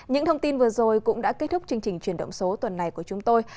những thông tin vừa rồi cũng đã kết thúc chương trình chuyển động số tuần này của chúng tôi